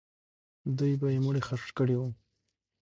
دوی به یې مړی ښخ کړی وو.